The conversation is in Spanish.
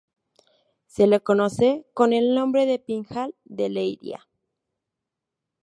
Se le conoce con el nombre de "Pinhal de Leiria".